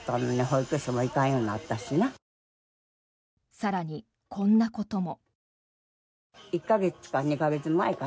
更に、こんなことも。